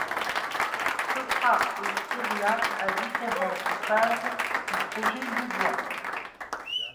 Sopra et Steria à différentes phases du projet Louvois.